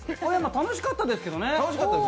楽しかったですけどね。